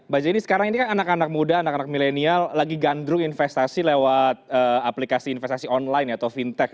mbak jenny sekarang ini kan anak anak muda anak anak milenial lagi gandrung investasi lewat aplikasi investasi online atau fintech